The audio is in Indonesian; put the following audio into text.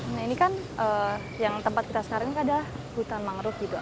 nah ini kan yang tempat kita sekarang ini adalah hutan mangrove gitu